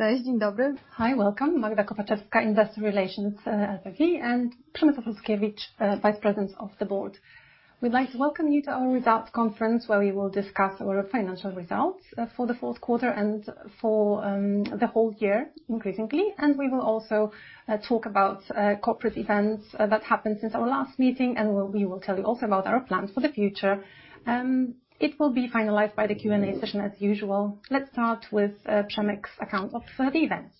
Cześć. Dzień dobry. Hi, welcome. Magdalena Kopaczewska, Investor Relations, LPP and Przemysław Lutkiewicz, Vice President of the Board. We'd like to welcome you to our results conference, where we will discuss our financial results for the fourth quarter and for the whole year, increasingly. We will also talk about corporate events that happened since our last meeting, and we will tell you also about our plans for the future. It will be finalized by the Q&A session as usual. Let's start with Przemek's account of further events.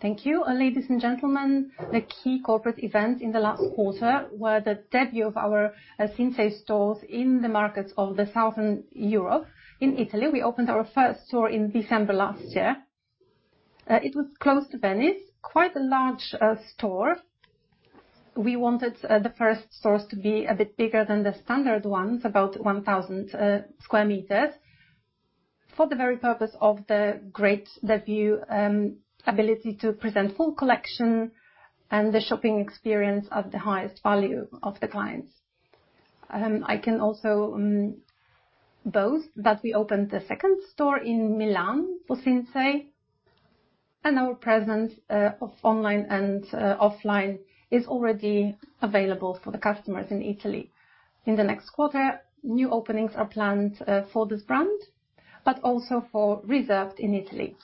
Thank you. Ladies and gentlemen, the key corporate event in the last quarter were the debut of our Sinsay stores in the markets of the Southern Europe. In Italy, we opened our first store in December last year. It was close to Venice. Quite a large store. We wanted the first stores to be a bit bigger than the standard ones, about 1,000 square meters, for the very purpose of the great debut, ability to present full collection and the shopping experience of the highest value of the clients. I can also boast that we opened the second store in Milan for Sinsay, our presence of online and offline is already available for the customers in Italy. In the next quarter, new openings are planned for this brand, but also for Reserved in Italy.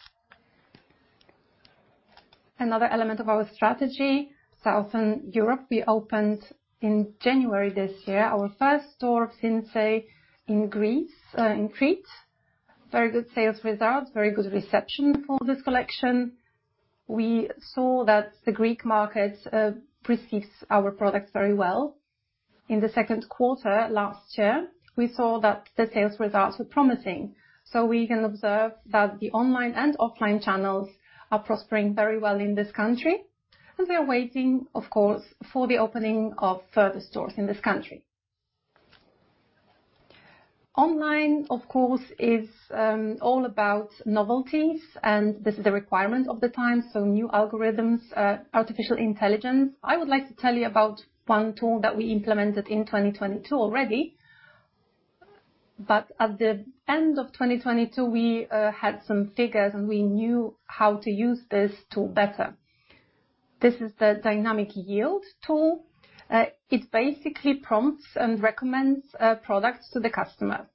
Another element of our strategy, Southern Europe. We opened in January this year, our first store of Sinsay in Greece, in Crete. Very good sales results. Very good reception for this collection. We saw that the Greek markets receives our products very well. In the second quarter last year, we saw that the sales results were promising. We can observe that the online and offline channels are prospering very well in this country, and we are waiting, of course, for the opening of further stores in this country. Online, of course, is all about novelties, and this is the requirement of the time, so new algorithms, artificial intelligence. I would like to tell you about one tool that we implemented in 2022 already. At the end of 2022, we had some figures, and we knew how to use this tool better. This is the Dynamic Yield tool. It basically prompts and recommends products to the customer.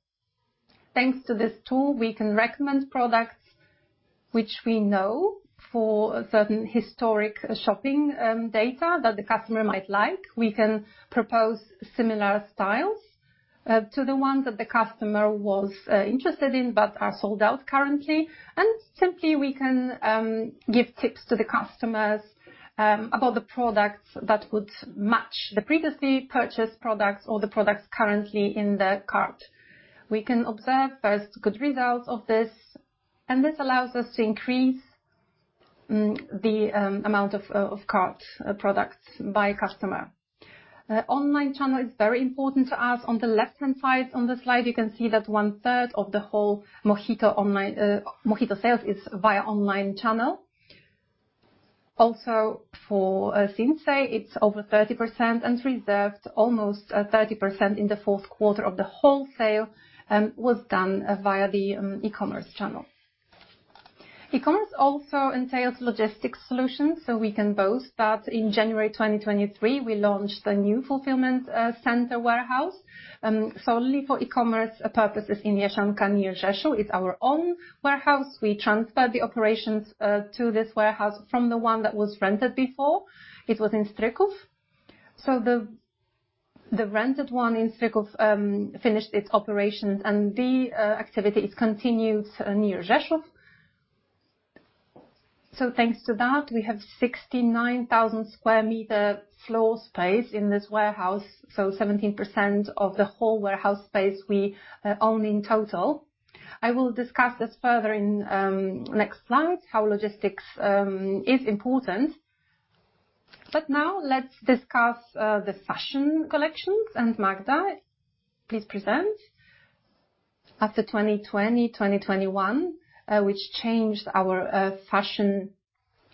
Thanks to this tool, we can recommend products which we know for certain historic shopping data that the customer might like. We can propose similar styles to the ones that the customer was interested in but are sold out currently. Simply, we can give tips to the customers about the products that would match the previously purchased products or the products currently in the cart. We can observe first good results of this, and this allows us to increase the amount of cart products by customer. Online channel is very important to us. On the left-hand side on the slide, you can see that 1/3 of the whole MOHITO sales is via online channel. Also, for Sinsay, it's over 30%, and Reserved almost 30% in the fourth quarter of the wholesale was done via the e-commerce channel. E-commerce also entails logistics solutions. We can boast that in January 2023, we launched a new fulfillment center warehouse solely for e-commerce purposes in Jasionka near Rzeszów. It's our own warehouse. We transferred the operations to this warehouse from the one that was rented before. It was in Stryków. The rented one in Stryków finished its operations, and the activities continued near Rzeszów. Thanks to that, we have 69,000 square meter floor space in this warehouse, 17% of the whole warehouse space we own in total. I will discuss this further in next slide, how logistics is important. Now let's discuss the fashion collections. Magda, please present. After 2020, 2021, which changed our fashion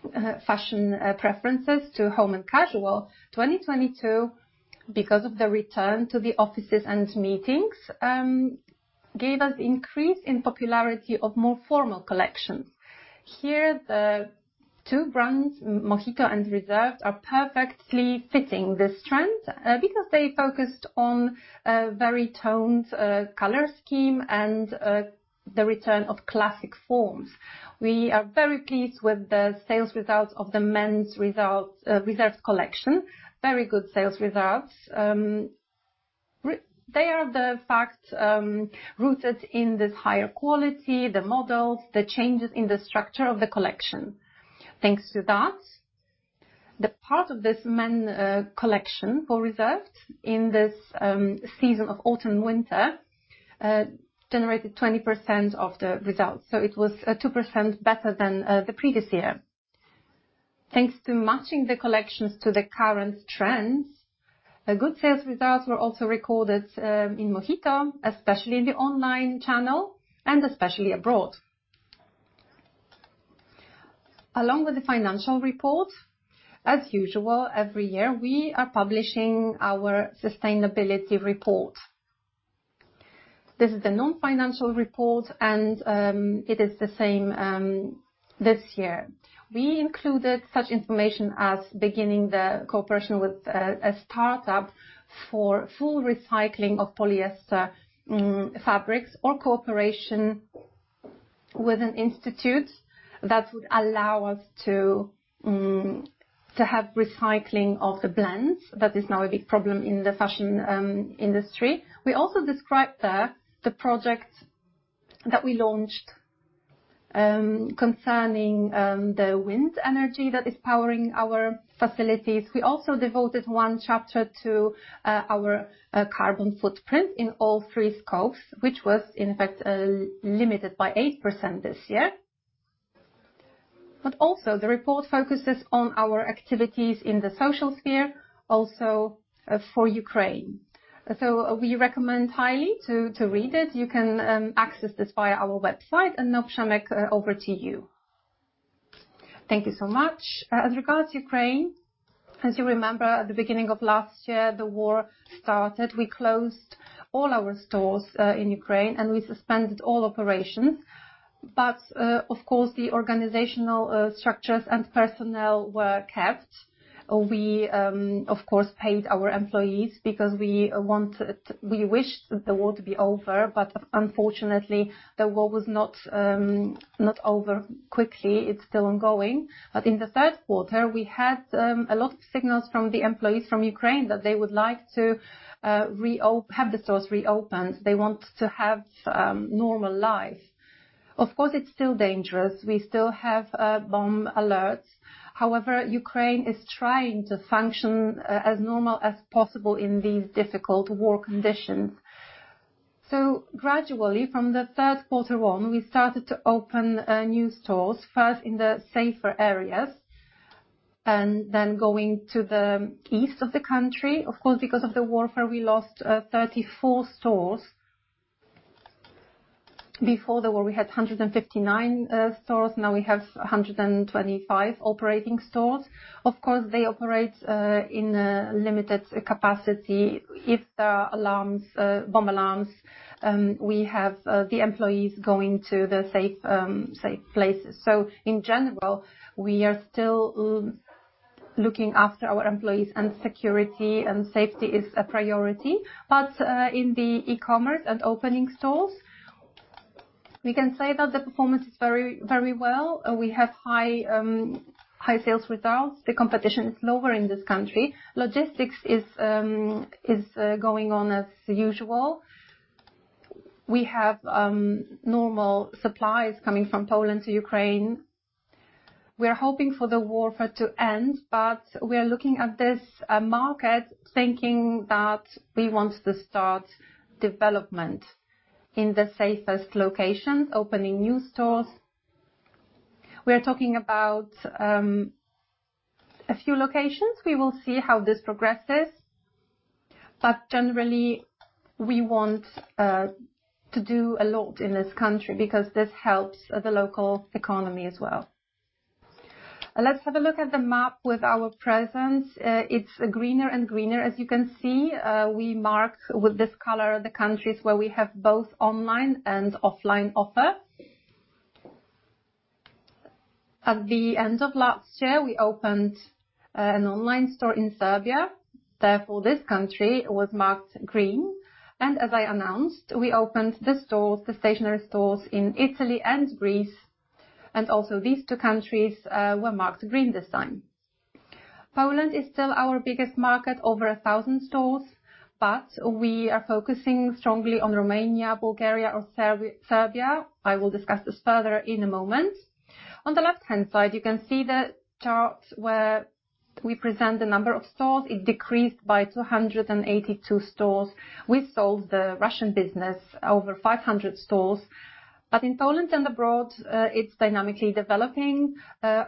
preferences to home and casual, 2022, because of the return to the offices and meetings, gave us increase in popularity of more formal collections. Here, the two brands, MOHITO and Reserved, are perfectly fitting this trend, because they focused on a very toned color scheme and the return of classic forms. We are very pleased with the sales results of the men's Reserved collection. Very good sales results. They are the fact rooted in this higher quality, the models, the changes in the structure of the collection. Thanks to that, the part of this men collection for Reserved in this season of autumn/winter generated 20% of the results, so it was 2% better than the previous year. Thanks to matching the collections to the current trends, the good sales results were also recorded in MOHITO, especially in the online channel and especially abroad. Along with the financial report, as usual, every year, we are publishing our sustainability report. This is the non-financial report, it is the same this year. We included such information as beginning the cooperation with a startup for full recycling of polyester fabrics or cooperation with an institute that would allow us to have recycling of the blends. That is now a big problem in the fashion industry. We also described there the project that we launched concerning the wind energy that is powering our facilities. We also devoted one chapter to our carbon footprint in all three scopes, which was in fact limited by 8% this year. Also the report focuses on our activities in the social sphere, also for Ukraine. We recommend highly to read it. You can access this via our website. Now, Przemek, over to you. Thank you so much. As regards Ukraine, as you remember at the beginning of last year, the war started. We closed all our stores in Ukraine and we suspended all operations. Of course, the organizational structures and personnel were kept. We of course paid our employees because we wished that the war to be over. Unfortunately, the war was not not over quickly. It's still ongoing. In the third quarter, we had a lot of signals from the employees from Ukraine that they would like to have the stores reopened. They want to have normal life. Of course, it's still dangerous. We still have bomb alerts. However, Ukraine is trying to function as normal as possible in these difficult war conditions. Gradually from the third quarter on, we started to open new stores, first in the safer areas and then going to the east of the country. Of course, because of the warfare, we lost 34 stores. Before the war, we had 159 stores. Now we have 125 operating stores. Of course, they operate in a limited capacity. If there are alarms, bomb alarms, we have the employees going to the safe places. In general, we are still looking after our employees and security and safety is a priority. In the e-commerce and opening stores, we can say that the performance is very, very well. We have high sales results. The competition is lower in this country. Logistics is going on as usual. We have normal supplies coming from Poland to Ukraine. We are hoping for the warfare to end, but we are looking at this market thinking that we want to start development in the safest locations, opening new stores. We are talking about a few locations. We will see how this progresses. Generally, we want to do a lot in this country because this helps the local economy as well. Let's have a look at the map with our presence. It's greener and greener, as you can see. We marked with this color the countries where we have both online and offline offer. At the end of last year, we opened an online store in Serbia. Therefore, this country was marked green. As I announced, we opened the stores, the stationary stores in Italy and Greece, also these two countries were marked green this time. Poland is still our biggest market, over 1,000 stores, but we are focusing strongly on Romania, Bulgaria, or Serbia. I will discuss this further in a moment. On the left-hand side, you can see the chart where we present the number of stores. It decreased by 282 stores. We sold the Russian business over 500 stores. In Poland and abroad, it's dynamically developing,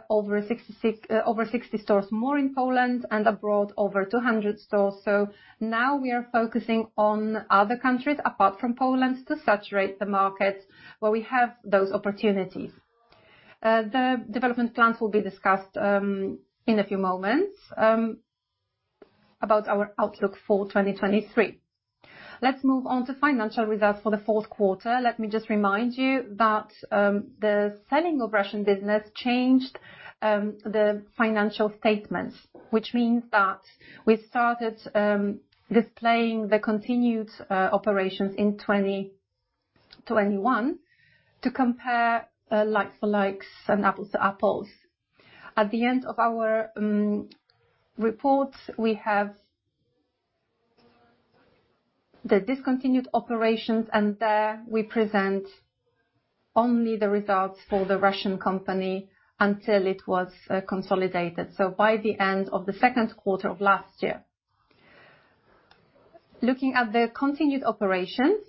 over 60 stores more in Poland and abroad over 200 stores. Now we are focusing on other countries apart from Poland to saturate the markets where we have those opportunities. The development plans will be discussed in a few moments about our outlook for 2023. Let's move on to financial results for the fourth quarter. Let me just remind you that the selling of Russian business changed the financial statements. Means that we started displaying the continued operations in 2021 to compare like-for-like and apples to apples. At the end of our report, we have the discontinued operations, and there we present only the results for the Russian company until it was consolidated. By the end of the second quarter of last year. Looking at the continued operations.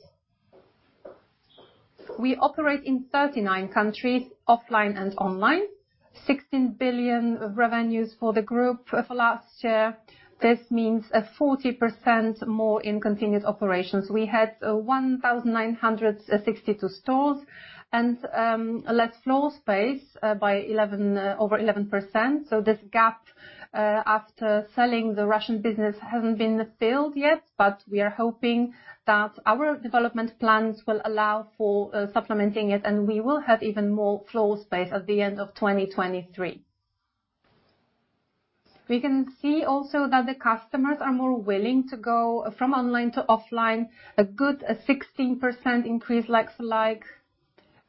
We operate in 39 countries offline and online. 16 billion of revenues for the group for last year. This means 40% more in continuous operations. We had 1,962 stores and less floor space by over 11%. This gap after selling the Russian business hasn't been filled yet, but we are hoping that our development plans will allow for supplementing it, and we will have even more floor space at the end of 2023. We can see also that the customers are more willing to go from online to offline, a good 16% increase like-for-like.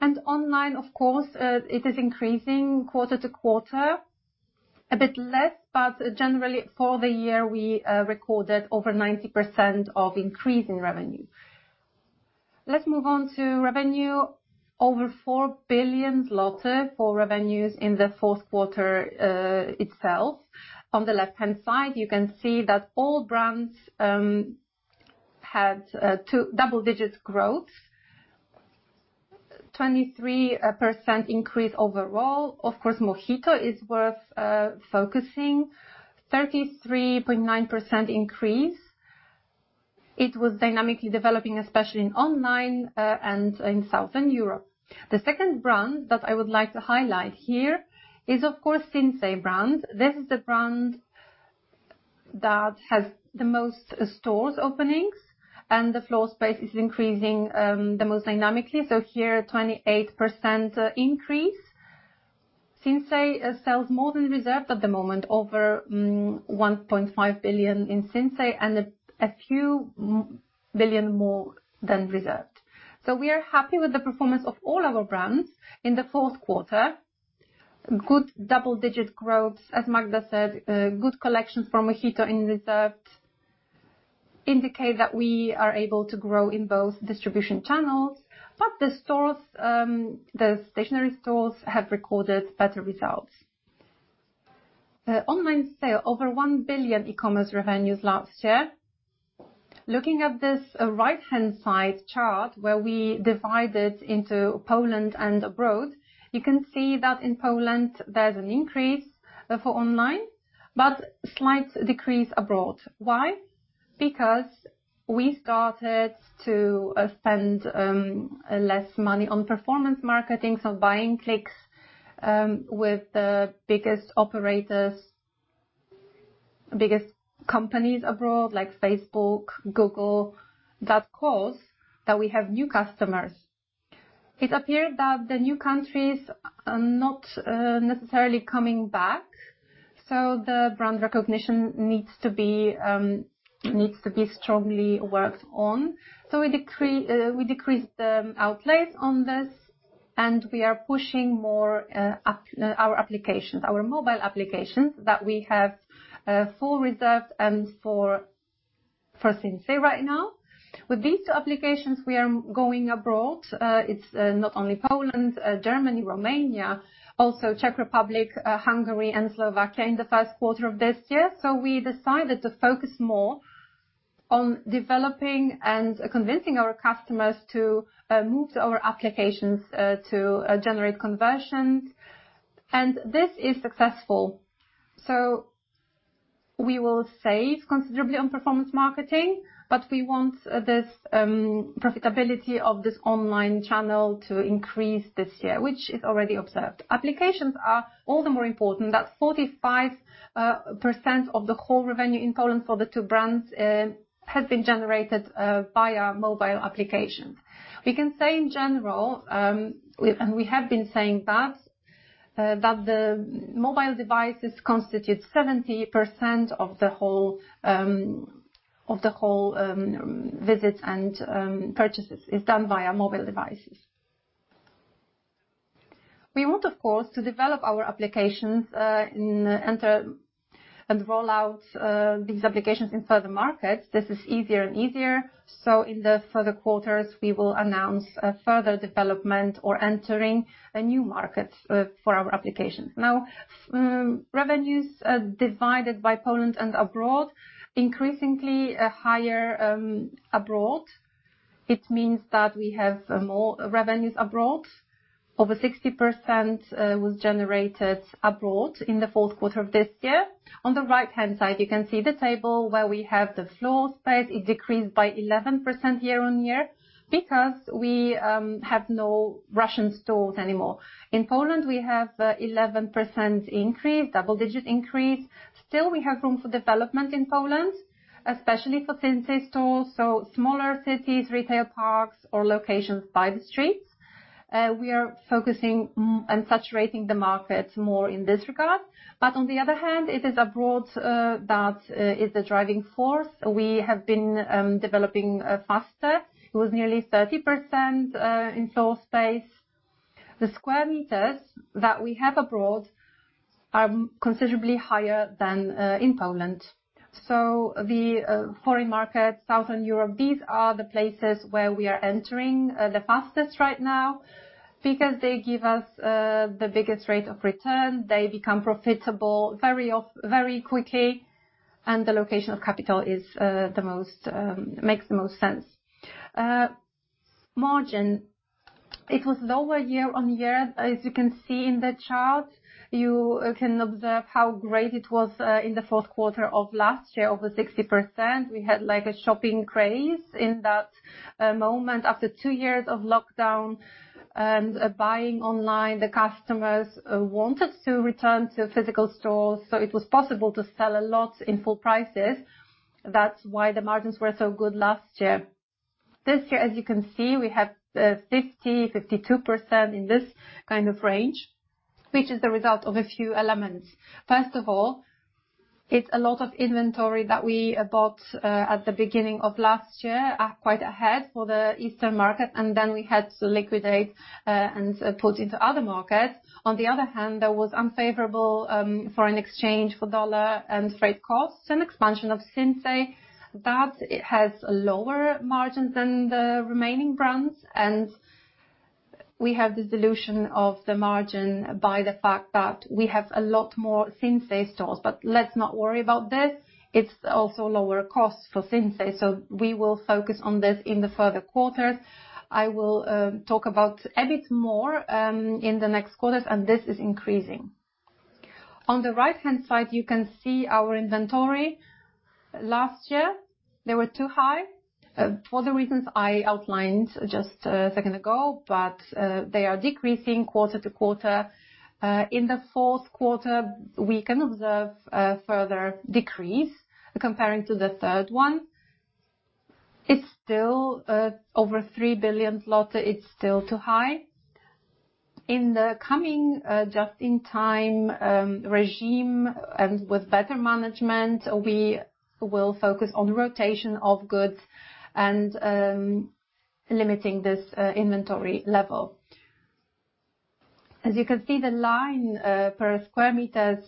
Online, of course, it is increasing quarter to quarter. A bit less, but generally, for the year, we recorded over 90% of increase in revenue. Let's move on to revenue. Over 4 billion zloty for revenues in the fourth quarter itself. On the left-hand side, you can see that all brands had two double-digit growth. 23% increase overall. Of course, MOHITO is worth focusing. 33.9% increase. It was dynamically developing, especially in online and in Southern Europe. The second brand that I would like to highlight here is, of course, Sinsay brand. This is the brand that has the most stores openings, and the floor space is increasing the most dynamically. Here, 28% increase. Sinsay sells more than Reserved at the moment, over 1.5 billion in Sinsay and a few billion more than Reserved. We are happy with the performance of all our brands in the fourth quarter. Good double-digit growth. As Magda said, good collections for MOHITO and Reserved indicate that we are able to grow in both distribution channels. The stores, the stationary stores have recorded better results. The online sale, over 1 billion e-commerce revenues last year. Looking at this right-hand side chart where we divide it into Poland and abroad, you can see that in Poland, there's an increase for online, but slight decrease abroad. Why? Because we started to spend less money on performance marketing, so buying clicks with the biggest operators, biggest companies abroad like Facebook, Google. That caused that we have new customers. It appeared that the new countries are not necessarily coming back, so the brand recognition needs to be needs to be strongly worked on. We decreased the outlays on this, and we are pushing more our applications, our mobile applications that we have for Reserved and for Sinsay right now. With these two applications, we are going abroad. It's not only Poland, Germany, Romania, also Czech Republic, Hungary, and Slovakia in the first quarter of this year. We decided to focus more on developing and convincing our customers to move to our applications to generate conversions. This is successful. We will save considerably on performance marketing, but we want this profitability of this online channel to increase this year, which is already observed. Applications are all the more important that 45% of the whole revenue in Poland for the two brands has been generated via mobile application. We can say in general, and we have been saying that the mobile devices constitute 70% of the whole of the whole visits and purchases is done via mobile devices. We want, of course, to develop our applications, in enter and roll out these applications in further markets. This is easier and easier. In the further quarters, we will announce a further development or entering a new market for our applications. Now, revenues divided by Poland and abroad, increasingly higher abroad. It means that we have more revenues abroad. Over 60% was generated abroad in the fourth quarter of this year. On the right-hand side, you can see the table where we have the floor space. It decreased by 11% year-on-year because we have no Russian stores anymore. In Poland, we have 11% increase, double-digit increase. Still, we have room for development in Poland, especially for Sinsay stores, so smaller cities, retail parks or locations by the streets. We are focusing and saturating the markets more in this regard. On the other hand, it is abroad that is the driving force. We have been developing faster. It was nearly 30% in floor space. The square meters that we have abroad are considerably higher than in Poland. The foreign markets, Southern Europe, these are the places where we are entering the fastest right now because they give us the biggest rate of return. They become profitable very quickly. The location of capital is the most makes the most sense. Margin, it was lower year-on-year. As you can see in the chart, you can observe how great it was in the fourth quarter of last year, over 60%. We had like a shopping craze in that moment after two years of lockdown and buying online, the customers wanted to return to physical stores. It was possible to sell a lot in full prices. That's why the margins were so good last year. This year, as you can see, we have 50%-52% in this kind of range, which is the result of a few elements. First of all, it's a lot of inventory that we bought at the beginning of last year, quite ahead for the Eastern market, and then we had to liquidate and put into other markets. On the other hand, there was unfavorable foreign exchange for the U.S. dollar and freight costs and expansion of Sinsay. That it has a lower margin than the remaining brands, and we have the dilution of the margin by the fact that we have a lot more Sinsay stores. Let's not worry about this. It's also lower costs for Sinsay. We will focus on this in the further quarters. I will talk about a bit more in the next quarters. This is increasing. On the right-hand side, you can see our inventory. Last year, they were too high for the reasons I outlined just a second ago. They are decreasing quarter to quarter. In the fourth quarter, we can observe a further decrease comparing to the third one. It's still over 3 billion. It's still too high. In the coming just-in-time regime and with better management, we will focus on rotation of goods and limiting this inventory level. As you can see, the line per square meters,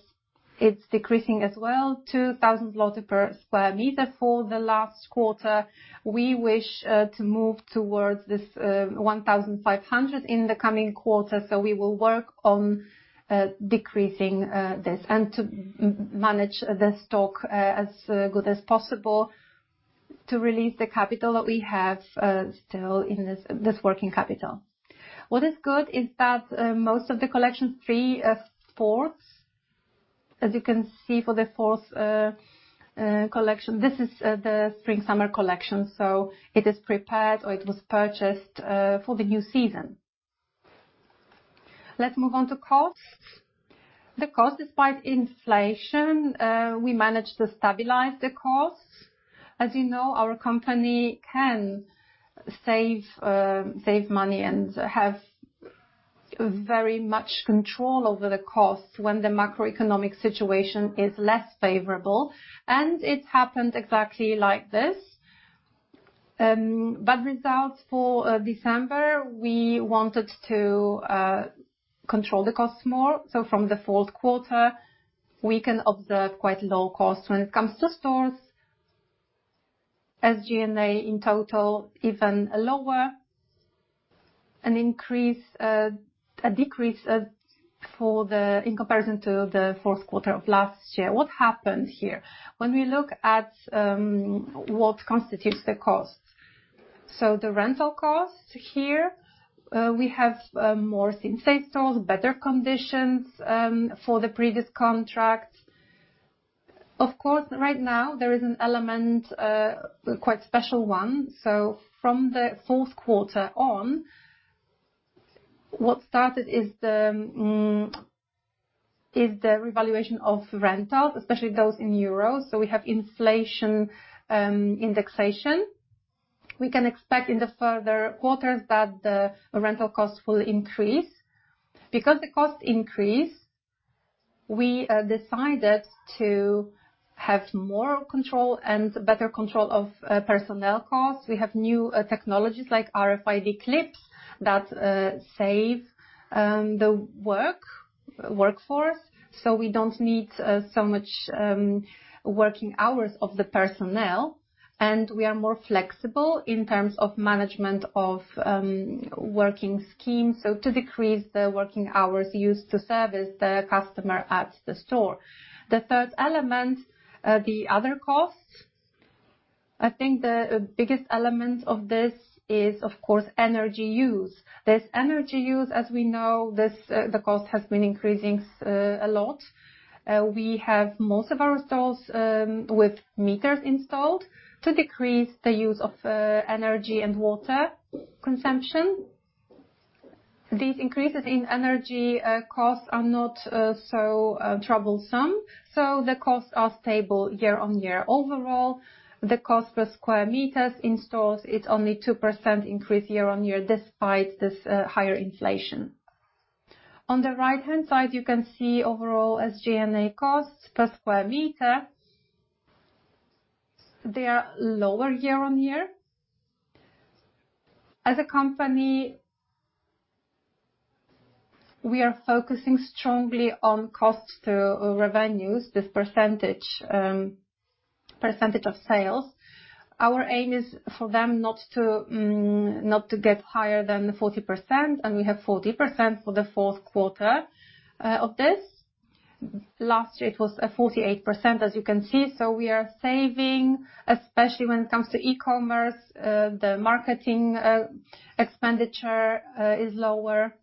it's decreasing as well, 2,000 per square meter for the last quarter. We wish to move towards this 1,500 in the coming quarters, we will work on decreasing this and to manage the stock as good as possible to release the capital that we have still in this working capital. What is good is that most of the collection, three of four, as you can see for the fourth collection, this is the spring-summer collection, so it is prepared or it was purchased for the new season. Let's move on to costs. The costs, despite inflation, we managed to stabilize the costs. As you know, our company can save money and have very much control over the costs when the macroeconomic situation is less favorable. It happened exactly like this. Results for December, we wanted to control the costs more. From the fourth quarter, we can observe quite low costs when it comes to stores. SG&A in total, even lower. A decrease in comparison to the fourth quarter of last year. What happened here? When we look at what constitutes the cost. The rental costs here, we have more Sinsay stores, better conditions for the previous contracts. Of course, right now, there is an element, quite special one. From the fourth quarter on, what started is the revaluation of rentals, especially those in euros. We have inflation, indexation. We can expect in the further quarters that the rental costs will increase. Because the costs increase, we decided to have more control and better control of personnel costs. We have new technologies like RFID clips that save the workforce, so we don't need so much working hours of the personnel. We are more flexible in terms of management of working schemes, so to decrease the working hours used to service the customer at the store. The third element, the other costs, I think the biggest element of this is, of course, energy use. This energy use, as we know, this the cost has been increasing a lot. We have most of our stores with meters installed to decrease the use of energy and water consumption. These increases in energy costs are not so troublesome, the costs are stable year-on-year overall. The cost per square meters in stores is only 2% increase year-on-year despite this higher inflation. On the right-hand side, you can see overall SG&A costs per square meter. They are lower year-on-year. As a company, we are focusing strongly on costs to revenues, this percentage, Percentage of sales. Our aim is for them not to not to get higher than 40%, we have 40% for the fourth quarter of this. Last year, it was 48% as you can see. We are saving, especially when it comes to e-commerce, the marketing expenditure is lower.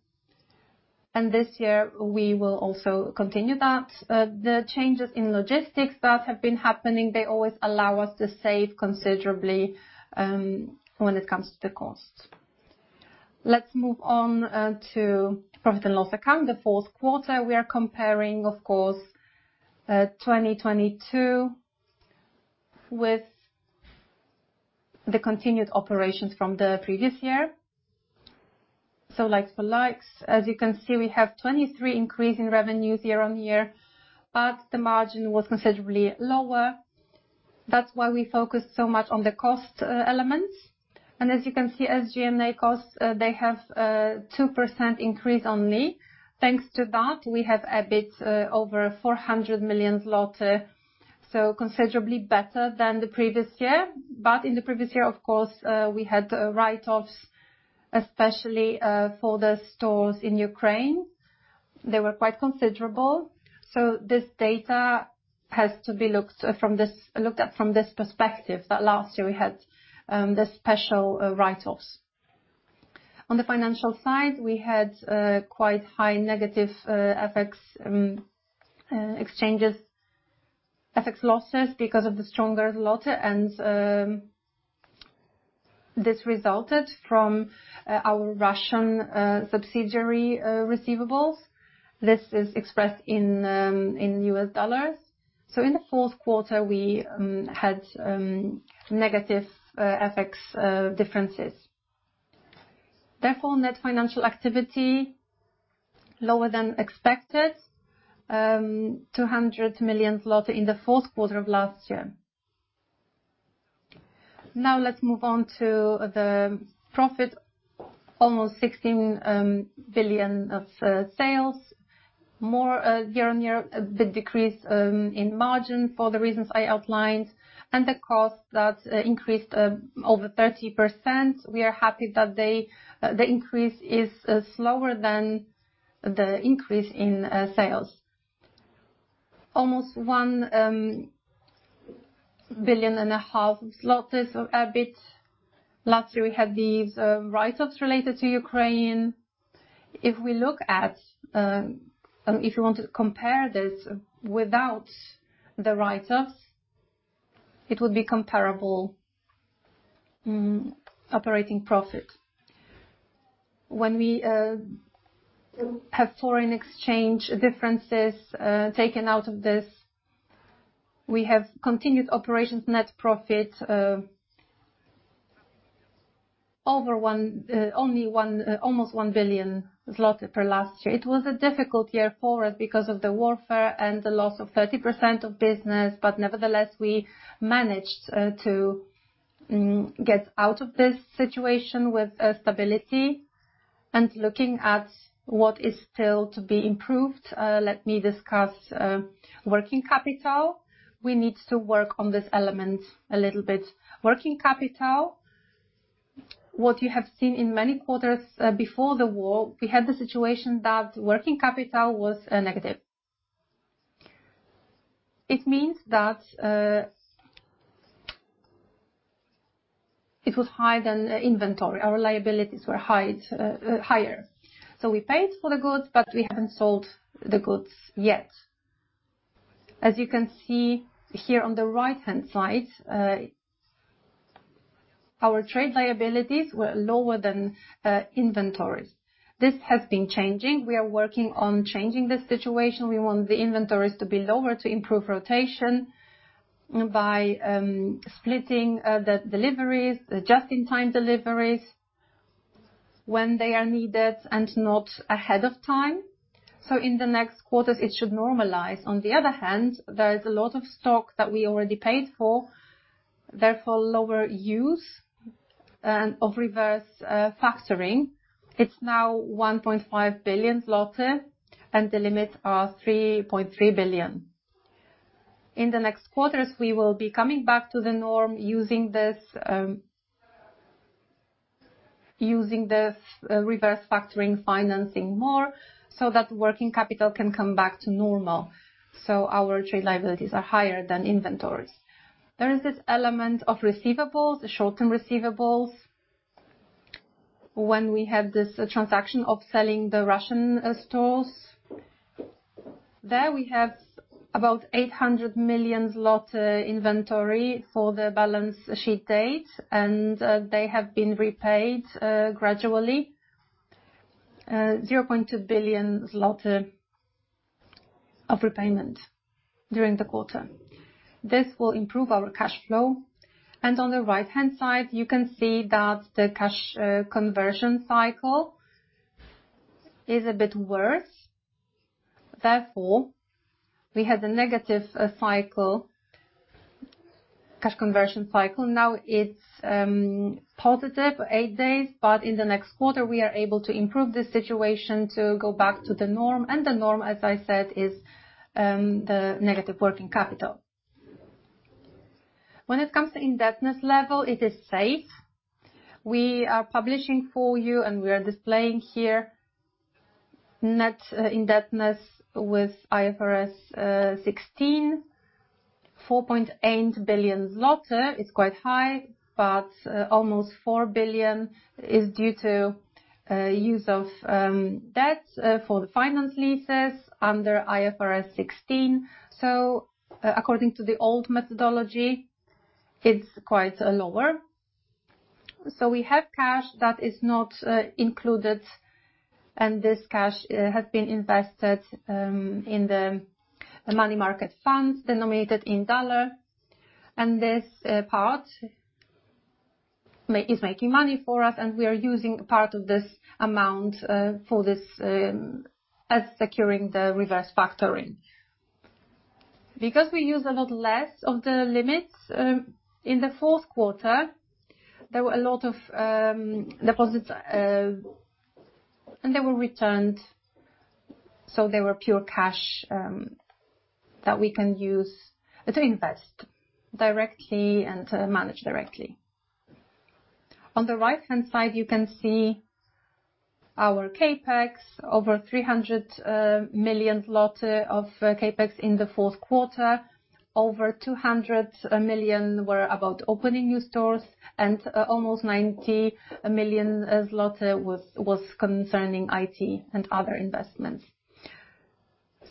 This year we will also continue that. The changes in logistics that have been happening, they always allow us to save considerably when it comes to cost. Let's move on to profit and loss account. The fourth quarter, we are comparing, of course, 2022 with the continued operations from the previous year. Like-for-likes. As you can see, we have 23 increase in revenues year-on-year, the margin was considerably lower. That's why we focused so much on the cost elements. As you can see, SG&A costs, they have 2% increase only. Thanks to that, we have EBIT over 400 million zloty. Considerably better than the previous year. In the previous year, of course, we had write-offs especially for the stores in Ukraine. They were quite considerable. This data has to be looked at from this perspective, that last year we had the special write-offs. On the financial side, we had quite high negative FX losses because of the stronger złoty. This resulted from our Russian subsidiary receivables. This is expressed in US dollars. In the fourth quarter we had negative FX differences. Therefore, net financial activity lower than expected, 200 million zloty in the fourth quarter of last year. Now let's move on to the profit. Almost 16 billion of sales. More year-on-year de-decrease in margin for the reasons I outlined. The cost that increased over 30%. We are happy that the increase is slower than the increase in sales. Almost PLN 1.5 billion of EBIT. Last year we had these write-offs related to Ukraine. If we look at, and if you want to compare this without the write-offs, it would be comparable operating profit. When we have foreign exchange differences taken out of this, we have continued operations net profit, almost 1 billion zloty per last year. It was a difficult year for us because of the warfare and the loss of 30% of business, but nevertheless, we managed to get out of this situation with stability. Looking at what is still to be improved, let me discuss working capital. We need to work on this element a little bit. Working capital. What you have seen in many quarters, before the war, we had the situation that working capital was negative. It means that it was higher than the inventory. Our liabilities were high, higher. We paid for the goods, but we haven't sold the goods yet. As you can see here on the right-hand side, our trade liabilities were lower than inventories. This has been changing. We are working on changing the situation. We want the inventories to be lower to improve rotation by splitting the deliveries, just-in-time deliveries when they are needed and not ahead of time. In the next quarters it should normalize. On the other hand, there is a lot of stock that we already paid for, therefore lower use, and of reverse factoring. It's now 1.5 billion zloty and the limits are 3.3 billion. In the next quarters, we will be coming back to the norm using this reverse factoring financing more so that working capital can come back to normal. Our trade liabilities are higher than inventories. There is this element of receivables, the short-term receivables. When we had this transaction of selling the Russian stores. There we have about 800 million inventory for the balance sheet date, and they have been repaid gradually. PLN 0.2 billion of repayment during the quarter. This will improve our cash flow. On the right-hand side, you can see that the cash conversion cycle is a bit worse. Therefore, we had a negative cash conversion cycle. Now it's positive 8 days, in the next quarter we are able to improve the situation to go back to the norm. The norm, as I said, is the negative working capital. When it comes to indebtedness level, it is safe. We are publishing for you, and we are displaying here net indebtedness with IFRS 16, 4.8 billion zloty. It's quite high, almost 4 billion is due to use of debts for the finance leases under IFRS 16. According to the old methodology, it's quite lower. We have cash that is not included, and this cash has been invested in the money market funds denominated in USD. This part is making money for us, and we are using part of this amount for this as securing the reverse factoring. We use a lot less of the limits in the fourth quarter, there were a lot of deposits, and they were returned, so they were pure cash that we can use to invest directly and to manage directly. On the right-hand side, you can see our CapEx, over 300 million zloty of CapEx in the fourth quarter. Over 200 million were about opening new stores, and almost 90 million zloty was concerning IT and other investments.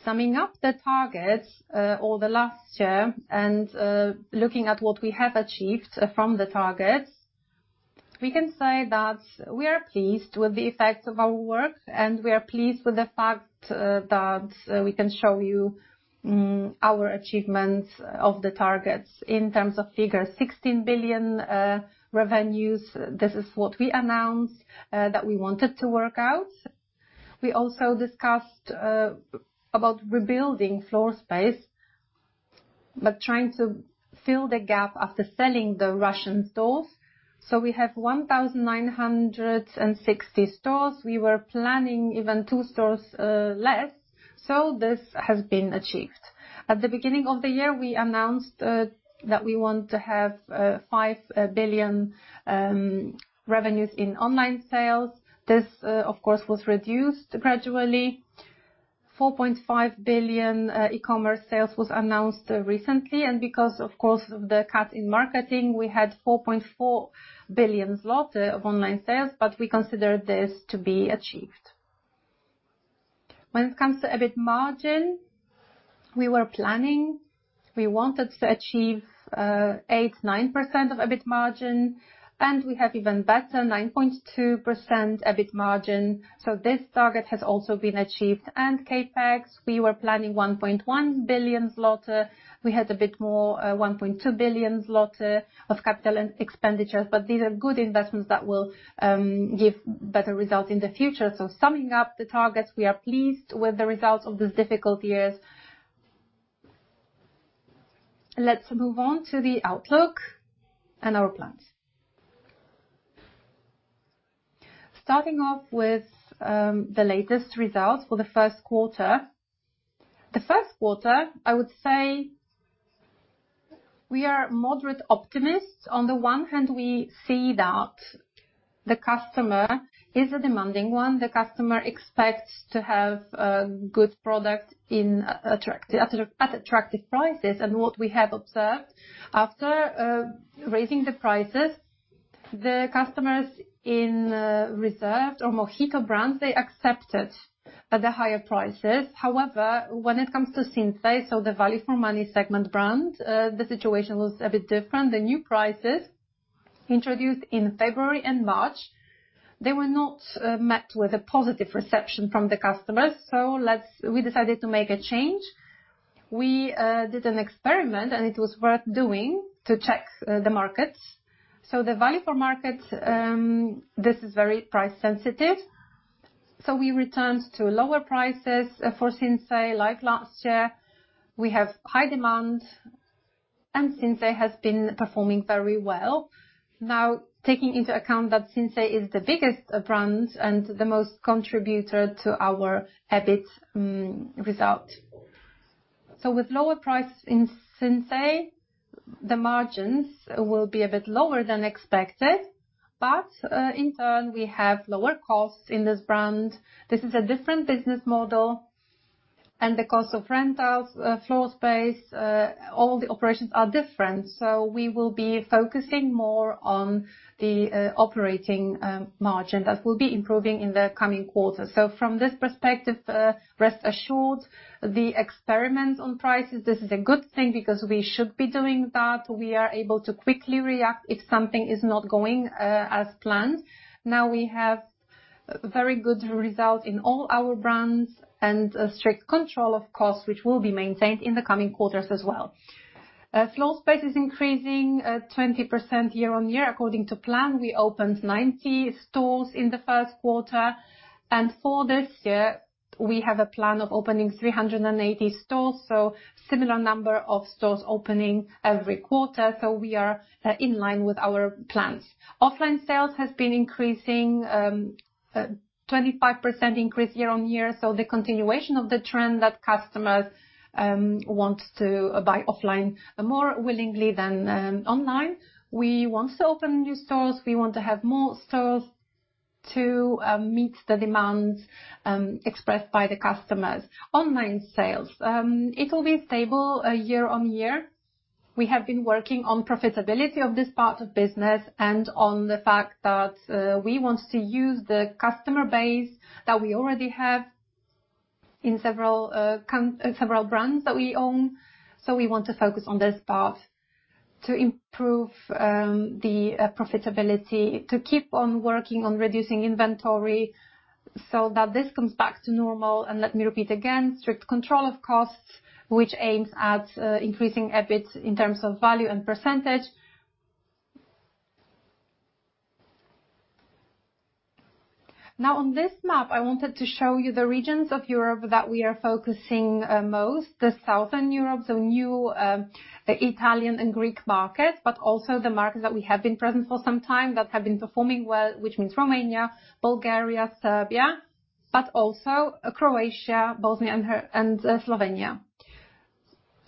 Summing up the targets over the last year and looking at what we have achieved from the targets, we can say that we are pleased with the effects of our work, and we are pleased with the fact that we can show you our achievements of the targets in terms of figures. 16 billion revenues, this is what we announced that we wanted to work out. We also discussed about rebuilding floor space, but trying to fill the gap after selling the Russian stores. We have 1,960 stores. We were planning even 2 stores less. This has been achieved. At the beginning of the year, we announced that we want to have 5 billion revenues in online sales. This, of course, was reduced gradually. 4.5 billion e-commerce sales was announced recently. Because, of course, of the cut in marketing, we had 4.4 billion zloty of online sales, but we consider this to be achieved. When it comes to EBIT margin, we wanted to achieve 8%, 9% of EBIT margin, and we have even better, 9.2% EBIT margin. This target has also been achieved. CapEx, we were planning 1.1 billion zloty. We had a bit more, 1.2 billion zloty of capital expenditures, but these are good investments that will give better results in the future. Summing up the targets, we are pleased with the results of these difficult years. Let's move on to the outlook and our plans. Starting off with the latest results for the first quarter. The first quarter, I would say, we are moderate optimists. On the one hand, we see that the customer is a demanding one. The customer expects to have a good product in at attractive prices. What we have observed, after raising the prices, the customers in Reserved or MOHITO brands, they accepted the higher prices. However, when it comes to Sinsay, so the value-for-money segment brand, the situation was a bit different. The new prices introduced in February and March, they were not met with a positive reception from the customers. We decided to make a change. We did an experiment, and it was worth doing to check the markets. The value for market, this is very price sensitive, so we returned to lower prices for Sinsay like last year. We have high demand, and Sinsay has been performing very well. Now, taking into account that Sinsay is the biggest brand and the most contributor to our EBIT result. With lower price in Sinsay, the margins will be a bit lower than expected. In turn, we have lower costs in this brand. This is a different business model, and the cost of rentals, floor space, all the operations are different. We will be focusing more on the operating margin that will be improving in the coming quarters. From this perspective, rest assured, the experiments on prices, this is a good thing because we should be doing that. We are able to quickly react if something is not going as planned. Now we have very good result in all our brands and a strict control of costs, which will be maintained in the coming quarters as well. Floor space is increasing 20% year-on-year. According to plan, we opened 90 stores in the first quarter. For this year, we have a plan of opening 380 stores, so similar number of stores opening every quarter, so we are in line with our plans. Offline sales has been increasing 25% increase year-on-year, so the continuation of the trend that customers want to buy offline more willingly than online. We want to open new stores. We want to have more storesTo meet the demands expressed by the customers. Online sales. It will be stable year-on-year. We have been working on profitability of this part of business and on the fact that we want to use the customer base that we already have in several brands that we own. We want to focus on this part to improve the profitability, to keep on working on reducing inventory so that this comes back to normal. Let me repeat again, strict control of costs, which aims at increasing EBIT in terms of value and percentage. On this map, I wanted to show you the regions of Europe that we are focusing most. The Southern Europe, the new, the Italian and Greek markets, but also the markets that we have been present for some time that have been performing well, which means Romania, Bulgaria, Serbia, but also Croatia, Bosnia and Slovenia.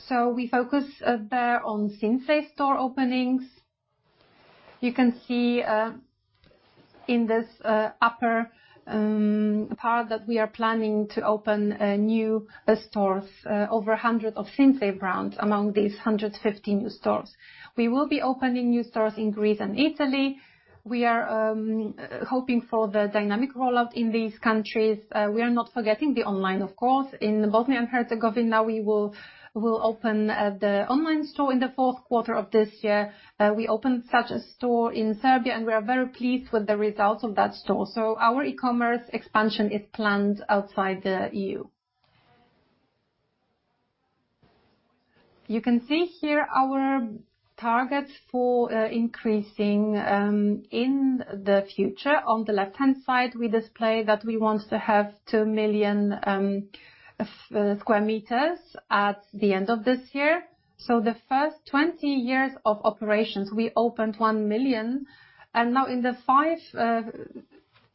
We focus there on Sinsay store openings. You can see in this upper part that we are planning to open new stores, over 100 of Sinsay brands among these 150 new stores. We will be opening new stores in Greece and Italy. We are hoping for the dynamic rollout in these countries. We are not forgetting the online, of course. In Bosnia and Herzegovina, we will open the online store in the 4th quarter of this year. We opened such a store in Serbia, and we are very pleased with the results of that store. Our e-commerce expansion is planned outside the EU. You can see here our targets for increasing in the future. On the left-hand side, we display that we want to have 2 million square meters at the end of this year. The first 20 years of operations, we opened 1 million. Now in the 5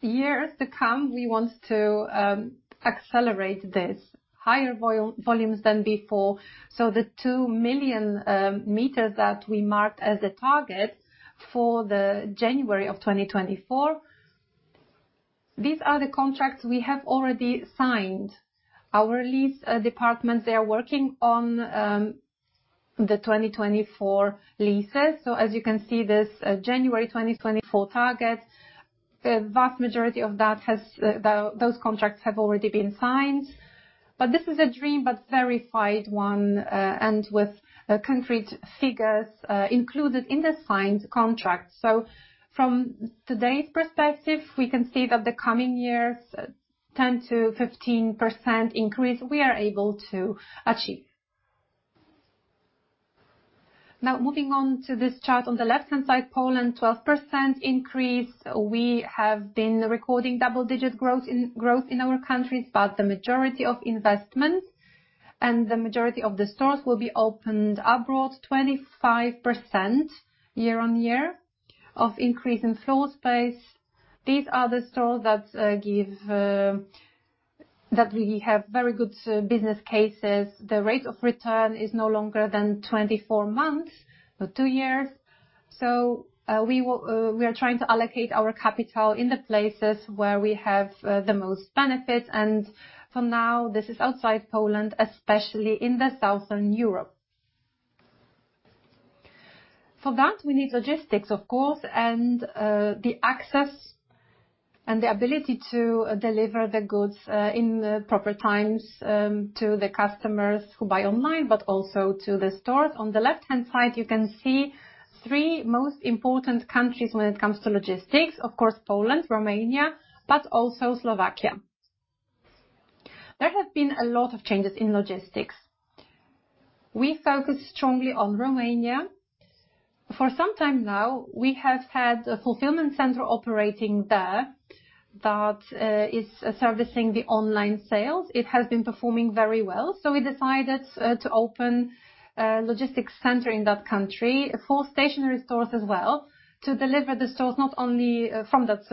years to come, we want to accelerate this. Higher volumes than before. The 2 million meters that we marked as a target for the January of 2024, these are the contracts we have already signed. Our lease department, they are working on the 2024 leases. As you can see, this January 2024 target, the vast majority of that has those contracts have already been signed. This is a dream, but verified one, and with concrete figures included in the signed contract. From today's perspective, we can see that the coming years, 10%-15% increase we are able to achieve. Now moving on to this chart on the left-hand side, Poland, 12% increase. We have been recording double-digit growth in our countries, but the majority of investments and the majority of the stores will be opened abroad. 25% year-on-year of increase in floor space. These are the stores that give that we have very good business cases. The rate of return is no longer than 24 months, so 2 years. We are trying to allocate our capital in the places where we have the most benefit. For now, this is outside Poland, especially in the Southern Europe. For that, we need logistics, of course, and the access and the ability to deliver the goods in proper times to the customers who buy online, but also to the stores. On the left-hand side, you can see three most important countries when it comes to logistics. Poland, Romania, but also Slovakia. There have been a lot of changes in logistics. We focus strongly on Romania. For some time now, we have had a fulfillment center operating there that is servicing the online sales. It has been performing very well, we decided to open a logistics center in that country for stationary stores as well to deliver the stores not only from that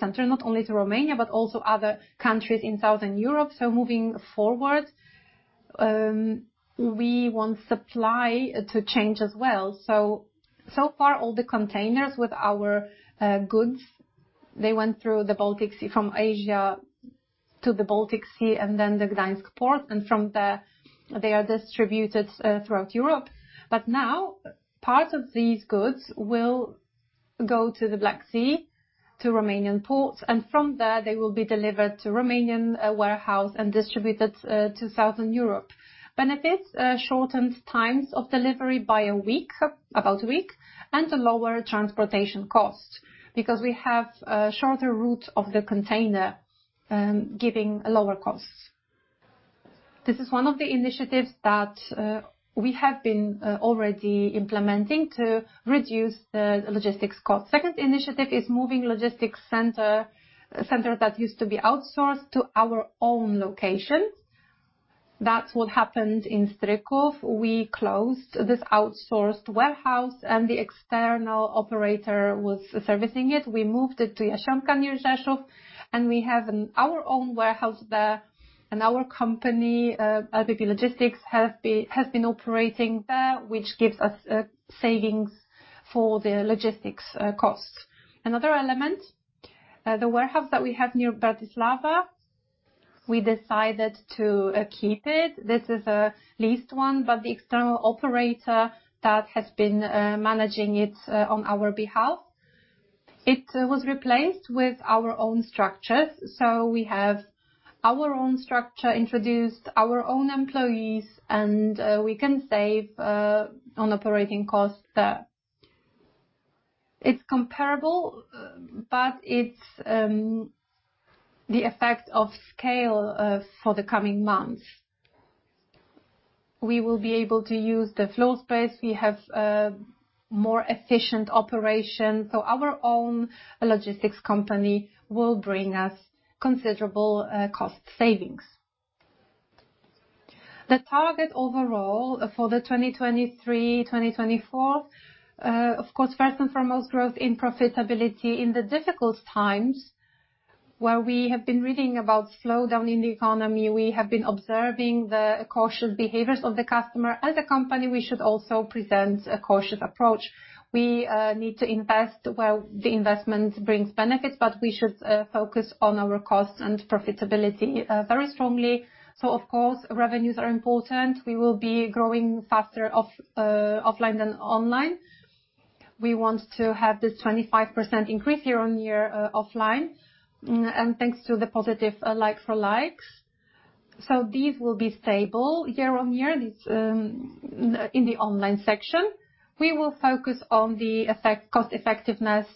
center, not only to Romania, but also other countries in Southern Europe. Moving forward, we want supply to change as well. So far, all the containers with our goods, they went through the Baltic Sea, from Asia to the Baltic Sea, and then the Gdańsk port, and from there, they are distributed throughout Europe. Now, part of these goods will go to the Black Sea, to Romanian ports, and from there they will be delivered to Romanian warehouse and distributed to Southern Europe. Benefits, shortened times of delivery by about a week, and a lower transportation cost because we have a shorter route of the container, giving lower costs. This is one of the initiatives that we have been already implementing to reduce the logistics cost. Second initiative is moving logistics center that used to be outsourced to our own location. That's what happened in Stryków. We closed this outsourced warehouse and the external operator was servicing it. We moved it to Jasionka near Rzeszów. We have our own warehouse there, and our company LPP Logistics have been operating there, which gives us savings for the logistics costs. Another element, the warehouse that we have near Bratislava, we decided to keep it. This is a leased one, but the external operator that has been managing it on our behalf, it was replaced with our own structures. We have our own structure, introduced our own employees and we can save on operating costs there. It's comparable, but it's the effect of scale for the coming months. We will be able to use the floor space. We have more efficient operations. Our own logistics company will bring us considerable cost savings. The target overall for the 2023/2024, of course, first and foremost, growth in profitability in the difficult times where we have been reading about slowdown in the economy, we have been observing the cautious behaviors of the customer. As a company, we should also present a cautious approach. We need to invest where the investment brings benefits, but we should focus on our costs and profitability very strongly. Of course, revenues are important. We will be growing faster offline than online. We want to have this 25% increase year-on-year offline. Thanks to the positive like-for-like. These will be stable year-on-year. These in the online section. We will focus on cost effectiveness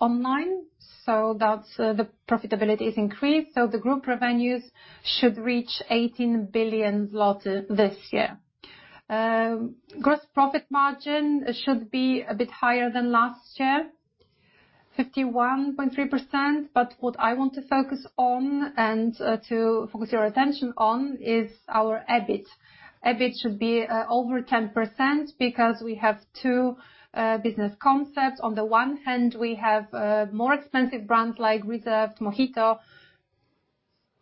online, that the profitability is increased. The group revenues should reach 18 billion zloty this year. Gross profit margin should be a bit higher than last year, 51.3%. What I want to focus on and to focus your attention on is our EBIT. EBIT should be over 10% because we have two business concepts. On the one hand, we have more expensive brands like Reserved, MOHITO,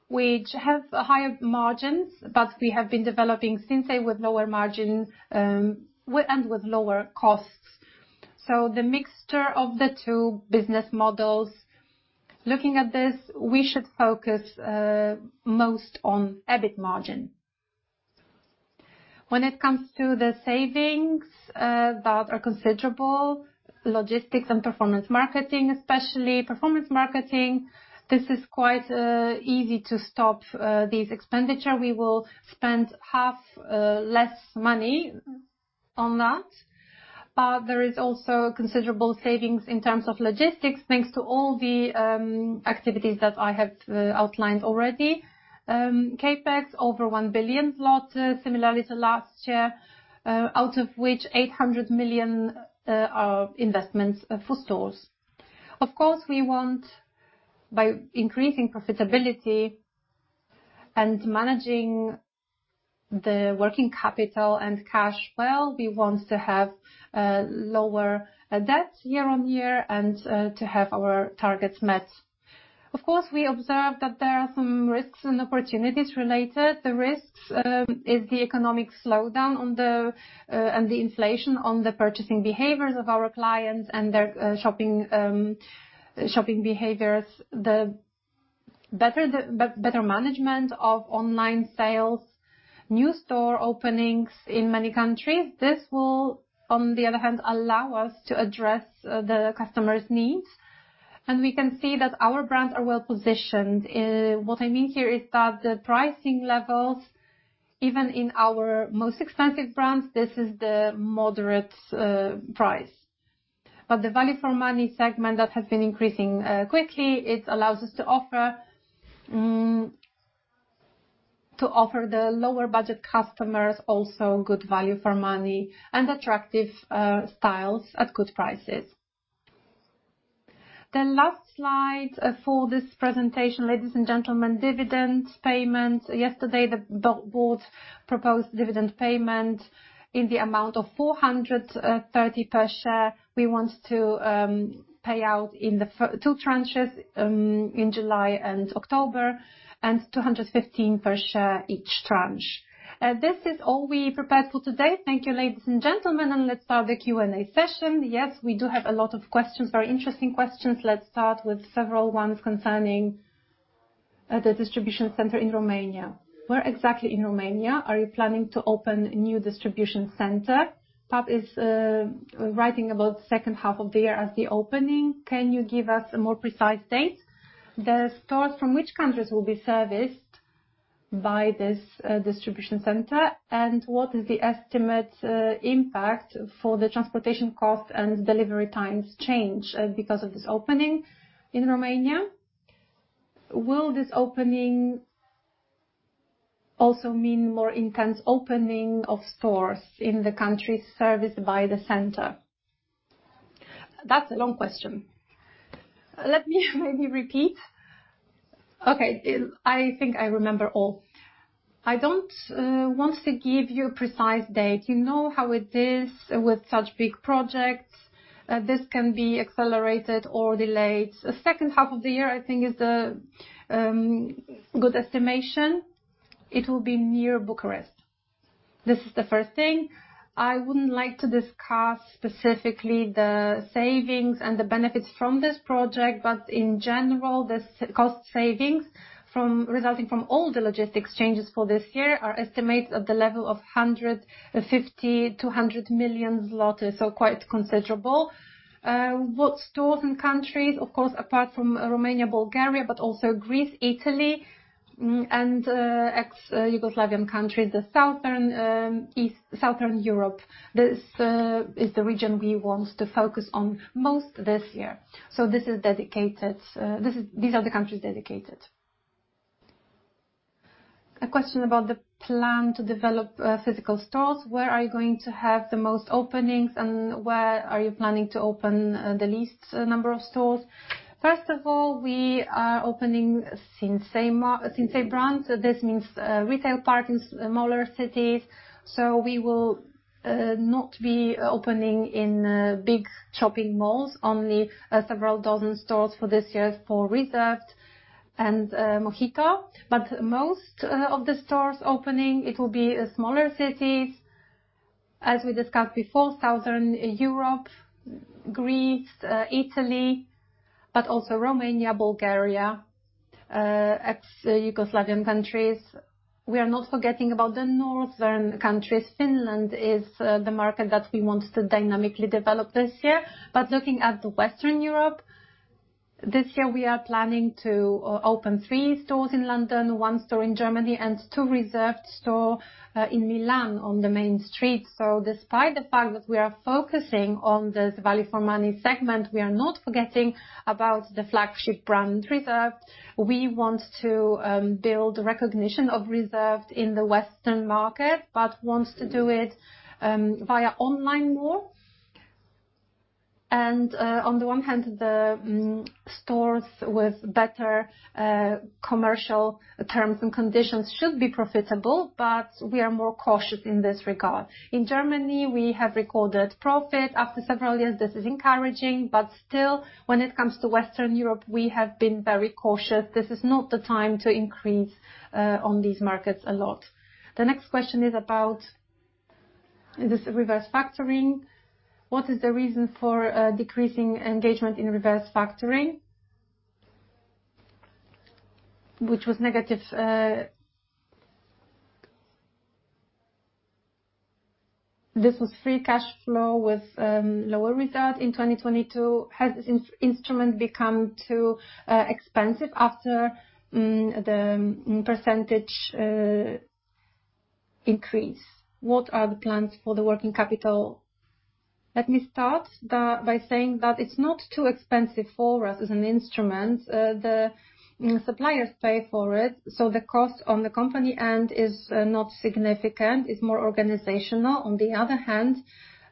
which have higher margins, but we have been developing Sinsay with lower margins and with lower costs. The mixture of the two business models. Looking at this, we should focus most on EBIT margin. When it comes to the savings, that are considerable, logistics and performance marketing, especially performance marketing, this is quite easy to stop these expenditure. We will spend half less money on that. There is also considerable savings in terms of logistics, thanks to all the activities that I have outlined already. CapEx over 1 billion zlotys, similarly to last year, out of which 800 million are investments for stores. We want, by increasing profitability and managing the working capital and cash well, we want to have lower debt year-on-year and to have our targets met. We observe that there are some risks and opportunities related. The risks is the economic slowdown on the and the inflation on the purchasing behaviors of our clients and their shopping behaviors. The better management of online sales, new store openings in many countries. This will, on the other hand, allow us to address the customers' needs. We can see that our brands are well-positioned. What I mean here is that the pricing levels, even in our most expensive brands, this is the moderate price. The value for money segment that has been increasing quickly, it allows us to offer the lower budget customers also good value for money and attractive styles at good prices. The last slide for this presentation, ladies and gentlemen, dividend payment. Yesterday, the board proposed dividend payment in the amount of 430 per share. We want to pay out in two tranches, in July and October, 215 per share each tranche. This is all we prepared for today. Thank you, ladies and gentlemen, let's start the Q&A session. We do have a lot of questions, very interesting questions. Let's start with several ones concerning the distribution center in Romania. Where exactly in Romania are you planning to open a new distribution center? PAP is writing about second half of the year as the opening. Can you give us a more precise date? The stores from which countries will be serviced by this distribution center? What is the estimate impact for the transportation costs and delivery times change because of this opening in Romania? Will this opening also mean more intense opening of stores in the country serviced by the center? That's a long question. Let me maybe repeat. Okay. I think I remember all. I don't want to give you a precise date. You know how it is with such big projects, this can be accelerated or delayed. Second half of the year, I think is the good estimation. It will be near Bucharest. This is the first thing. I wouldn't like to discuss specifically the savings and the benefits from this project, but in general, the cost savings resulting from all the logistics changes for this year are estimates of the level of 150 million-100 million zloty. Quite considerable. What stores and countries? Of course, apart from Romania, Bulgaria, but also Greece, Italy, and Yugoslavian country, the southern Europe. This is the region we want to focus on most this year. These are the countries dedicated. A question about the plan to develop physical stores. Where are you going to have the most openings and where are you planning to open the least number of stores? First of all, we are opening Sinsay brand. This means retail partners in smaller cities. We will not be opening in big shopping malls, only several dozen stores for this year for Reserved and MOHITO. Most of the stores opening, it will be smaller cities. As we discussed before, Southern Europe, Greece, Italy, but also Romania, Bulgaria, ex-Yugoslavian countries. We are not forgetting about the northern countries. Finland is the market that we want to dynamically develop this year. Looking at the Western Europe, this year, we are planning to open 3 stores in London, 1 store in Germany, and 2 Reserved store in Milan on the main street. Despite the fact that we are focusing on this value for money segment, we are not forgetting about the flagship brand, Reserved. We want to build recognition of Reserved in the Western market, but want to do it via online more. On the one hand, the stores with better commercial terms and conditions should be profitable, but we are more cautious in this regard. In Germany, we have recorded profit after several years. This is encouraging, but still, when it comes to Western Europe, we have been very cautious. This is not the time to increase on these markets a lot. The next question is about this reverse factoring. What is the reason for decreasing engagement in reverse factoring? Which was negative. This was free cash flow with lower result in 2022. Has in-instrument become too expensive after the percentage increase? What are the plans for the working capital? Let me start by saying that it's not too expensive for us as an instrument. The suppliers pay for it, so the cost on the company end is not significant. It's more organizational. On the other hand,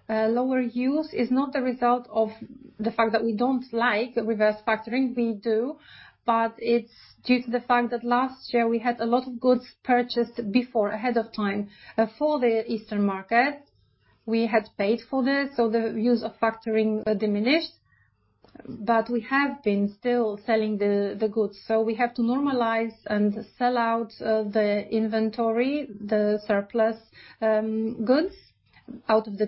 lower use is not the result of the fact that we don't like reverse factoring. We do, but it's due to the fact that last year we had a lot of goods purchased before, ahead of time, for the Eastern market. We had paid for this, so the use of factoring diminished. We have been still selling the goods. We have to normalize and sell out the inventory, the surplus goods out of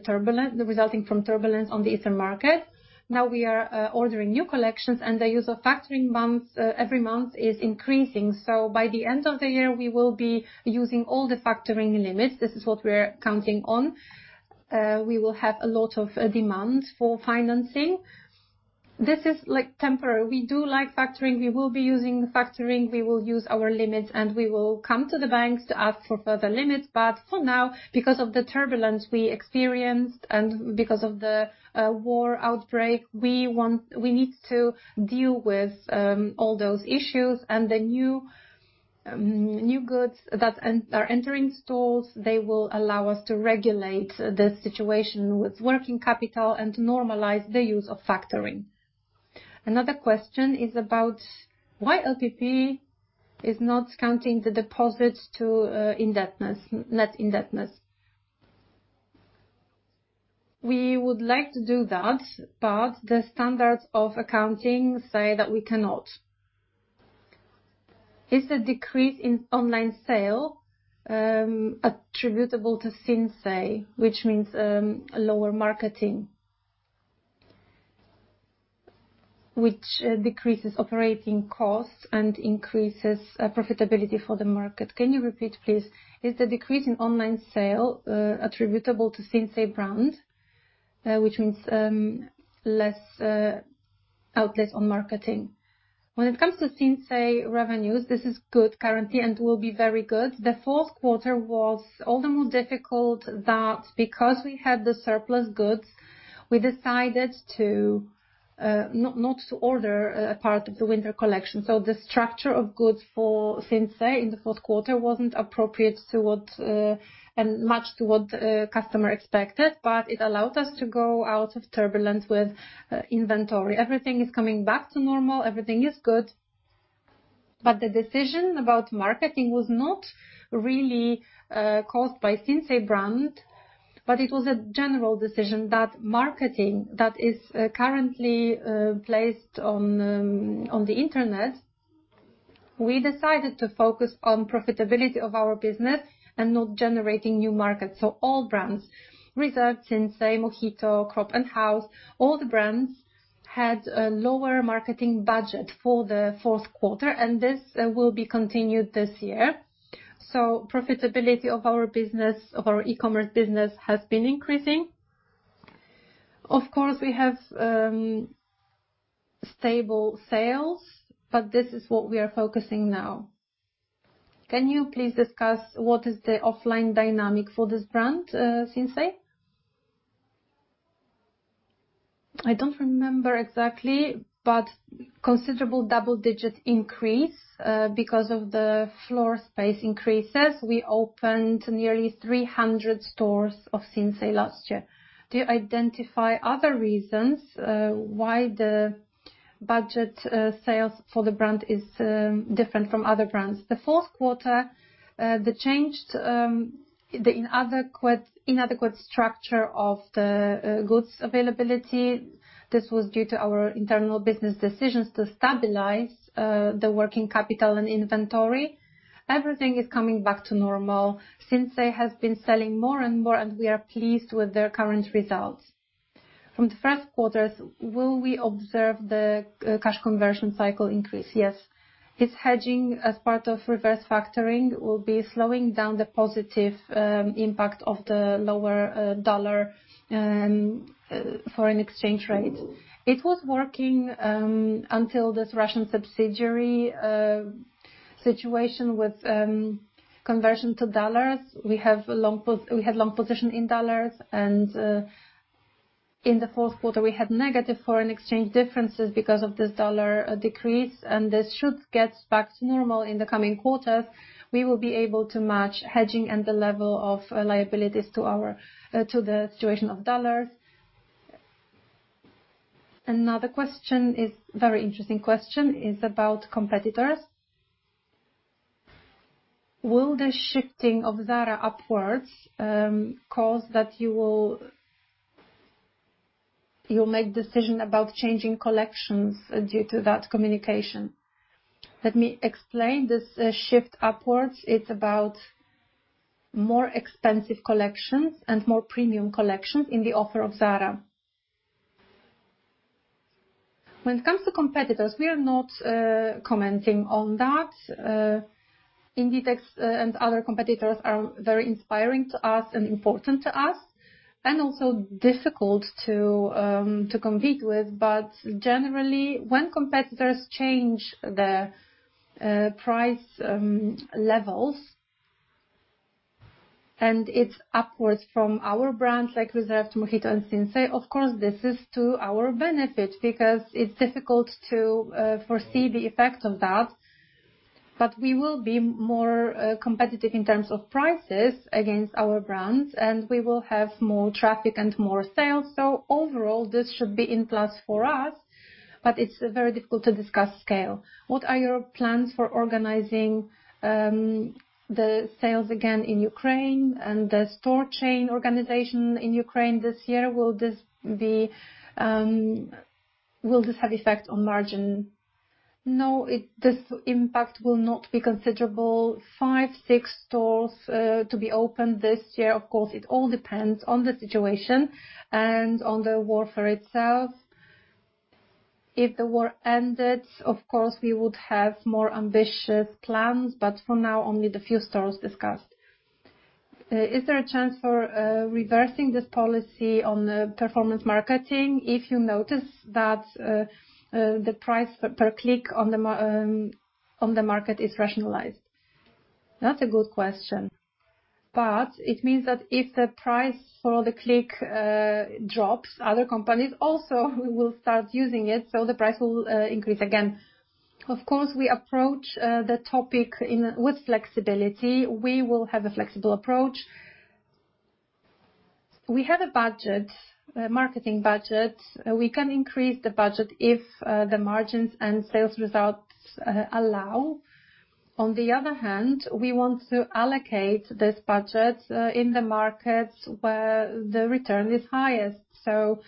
resulting from turbulence on the Eastern market. Now we are ordering new collections and the use of factoring months every month is increasing. By the end of the year, we will be using all the factoring limits. This is what we're counting on. We will have a lot of demand for financing. This is like temporary. We do like factoring. We will be using factoring. We will use our limits, we will come to the banks to ask for further limits. For now, because of the turbulence we experienced and because of the war outbreak, we need to deal with all those issues and the new goods that are entering stores, they will allow us to regulate the situation with working capital and normalize the use of factoring. Another question is about why LPP is not counting the deposits to indebtedness, net indebtedness. We would like to do that, the standards of accounting say that we cannot. Is the decrease in online sale attributable to Sinsay, which means lower marketing, which decreases operating costs and increases profitability for the market? Can you repeat, please? Is the decrease in online sale attributable to Sinsay brand, which means less outlets on marketing? When it comes to Sinsay revenues, this is good currently and will be very good. The fourth quarter was all the more difficult that because we had the surplus goods, we decided not to order a part of the winter collection. The structure of goods for Sinsay in the fourth quarter wasn't appropriate to what and much to what the customer expected, but it allowed us to go out of turbulence with inventory. Everything is coming back to normal, everything is good. The decision about marketing was not really caused by Sinsay brand, but it was a general decision that marketing that is currently placed on the Internet, we decided to focus on profitability of our business and not generating new markets. All brands, Reserved, Sinsay, MOHITO, Cropp, and House, all the brands had a lower marketing budget for the fourth quarter, and this will be continued this year. Profitability of our e-commerce business has been increasing. Of course, we have stable sales, but this is what we are focusing now. Can you please discuss what is the offline dynamic for this brand, Sinsay? I don't remember exactly, but considerable double-digit increase because of the floor space increases. We opened nearly 300 stores of Sinsay last year. Do you identify other reasons why the budget sales for the brand is different from other brands? The fourth quarter, the changed the inadequate structure of the goods availability. This was due to our internal business decisions to stabilize the working capital and inventory. Everything is coming back to normal. Sinsay has been selling more and more, and we are pleased with their current results. From the first quarters, will we observe the cash conversion cycle increase? Yes. Is hedging as part of reverse factoring will be slowing down the positive impact of the lower US dollar and foreign exchange rate? It was working until this Russian subsidiary situation with conversion to US dollars. We had long position in USD. In the fourth quarter, we had negative FX differences because of this USD decrease, and this should get back to normal in the coming quarters. We will be able to match hedging and the level of liabilities to the situation of USD. Another question, very interesting question, is about competitors. Will the shifting of Zara upwards cause that you'll make decision about changing collections due to that communication? Let me explain. This shift upwards, it's about more expensive collections and more premium collections in the offer of Zara. When it comes to competitors, we are not commenting on that. Inditex and other competitors are very inspiring to us and important to us, and also difficult to compete with. Generally, when competitors change their price levels, and it's upwards from our brands like Reserved, MOHITO, and Sinsay, of course, this is to our benefit because it's difficult to foresee the effect of that. We will be more competitive in terms of prices against our brands, and we will have more traffic and more sales. Overall, this should be in plus for us. It's very difficult to discuss scale. What are your plans for organizing the sales again in Ukraine and the store chain organization in Ukraine this year? Will this have effect on margin? This impact will not be considerable. Five, six stores to be opened this year. Of course, it all depends on the situation and on the warfare itself. If the war ended, of course, we would have more ambitious plans, but for now, only the few stores discussed. Is there a chance for reversing this policy on performance marketing if you notice that the price per click on the market is rationalized? That's a good question. It means that if the price for the click drops, other companies also will start using it, so the price will increase again. We approach the topic with flexibility. We will have a flexible approach. We have a budget, marketing budget. We can increase the budget if the margins and sales results allow. On the other hand, we want to allocate this budget in the markets where the return is highest, so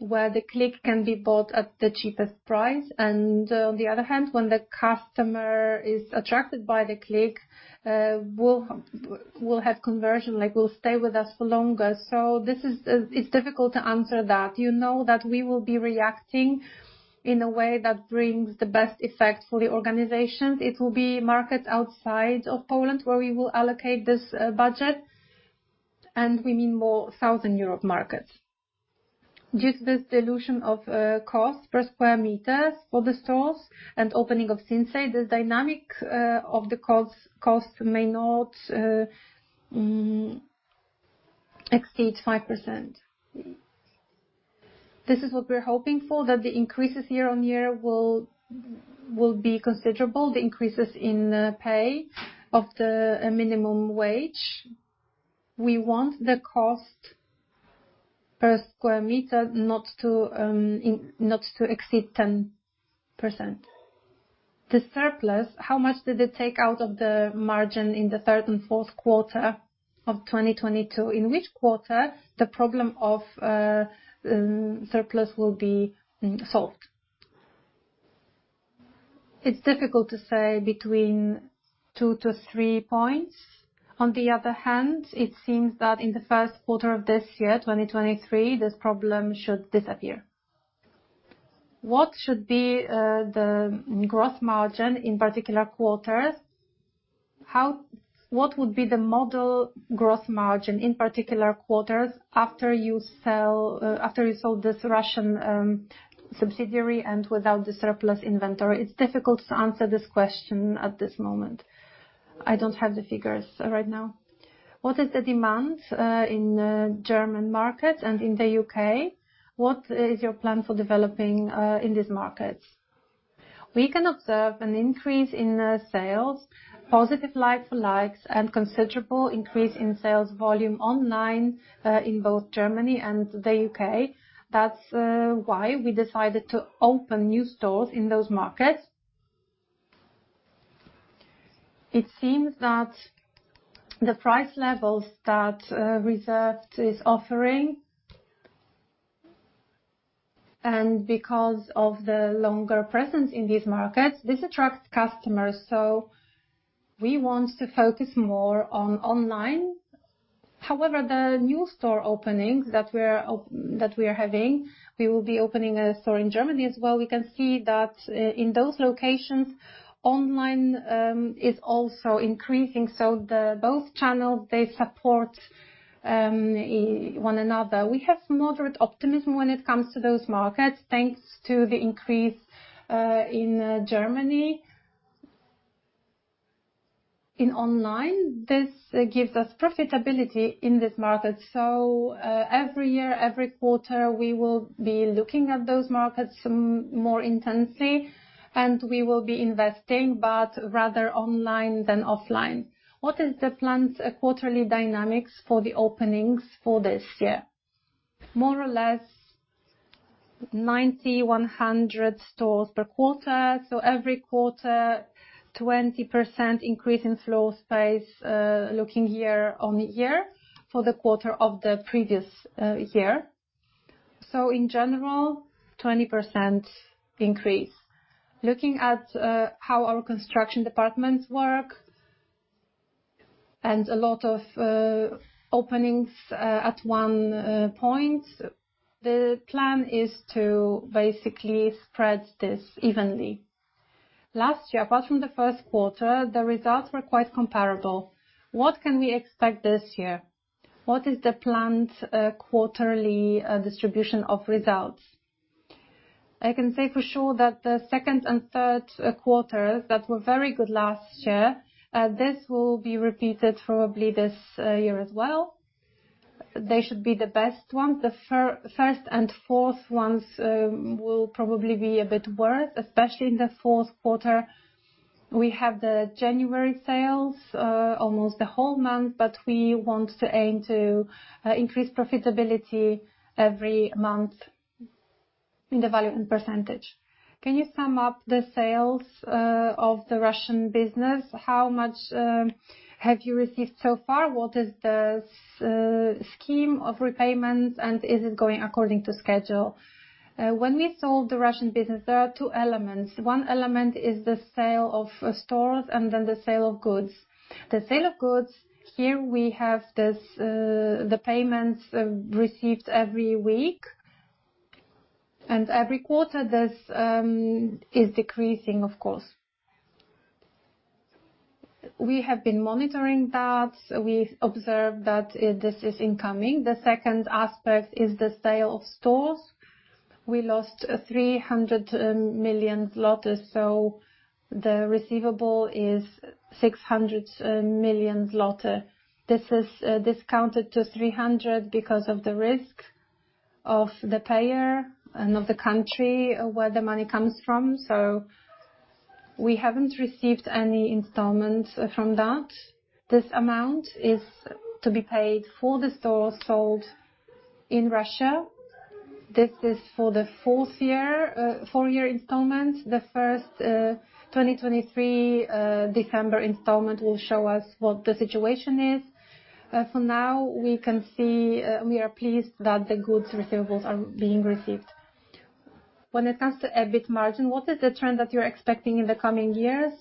where the click can be bought at the cheapest price. On the other hand, when the customer is attracted by the click, will have conversion, like will stay with us for longer. It's difficult to answer that. You know that we will be reacting in a way that brings the best effect for the organization. It will be markets outside of Poland where we will allocate this budget, and we mean more Southern Europe markets. Due to this dilution of cost per square meter for the stores and opening of Sinsay, the dynamic of the cost may not exceed 5%. This is what we're hoping for, that the increases year-over-year will be considerable, the increases in pay of the minimum wage. We want the cost per square meter not to exceed 10%. The surplus, how much did it take out of the margin in the third and fourth quarter of 2022? In which quarter the problem of surplus will be solved? It's difficult to say between 2-3 points. On the other hand, it seems that in the first quarter of this year, 2023, this problem should disappear. What should be the growth margin in particular quarters? What would be the model growth margin in particular quarters after you sell, after you sold this Russian subsidiary and without the surplus inventory? It's difficult to answer this question at this moment. I don't have the figures right now. What is the demand in German market and in the UK? What is your plan for developing in these markets? We can observe an increase in sales, positive like-for-likes, and considerable increase in sales volume online in both Germany and the U.K. We decided to open new stores in those markets. It seems that the price levels that Reserved is offering and because of the longer presence in these markets, this attracts customers. We want to focus more on online. The new store openings that we are having, we will be opening a store in Germany as well. We can see that in those locations, online is also increasing. Those channels, they support one another. We have moderate optimism when it comes to those markets, thanks to the increase in Germany. In online, this gives us profitability in this market. Every year, every quarter, we will be looking at those markets more intensely, and we will be investing, but rather online than offline. What is the planned quarterly dynamics for the openings for this year? More or less 90, 100 stores per quarter. Every quarter, 20% increase in floor space, looking year-over-year for the quarter of the previous year. In general, 20% increase. Looking at how our construction departments work and a lot of openings at one point, the plan is to basically spread this evenly. Last year, apart from the first quarter, the results were quite comparable. What can we expect this year? What is the planned quarterly distribution of results? I can say for sure that the second and third quarters that were very good last year, this will be repeated probably this year as well. They should be the best ones. The first and fourth ones will probably be a bit worse, especially in the fourth quarter. We have the January sales almost the whole month. We want to aim to increase profitability every month in the value and percentage. Can you sum up the sales of the Russian business? How much have you received so far? What is the scheme of repayments? Is it going according to schedule? When we sold the Russian business, there are two elements. One element is the sale of stores and then the sale of goods. The sale of goods, here we have this, the payments received every week. Every quarter, this is decreasing, of course. We have been monitoring that. We observed that this is incoming. The second aspect is the sale of stores. We lost 300 million, so the receivable is 600 million. This is discounted to 300 because of the risk of the payer and of the country where the money comes from. We haven't received any installments from that. This amount is to be paid for the stores sold in Russia. This is for the fourth year, 4-year installment. The first 2023 December installment will show us what the situation is. For now, we can see, we are pleased that the goods receivables are being received. When it comes to EBIT margin, what is the trend that you're expecting in the coming years,